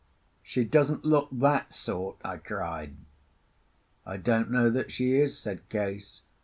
"She doesn't look that sort," I cried. "I don't know that she is," said Case.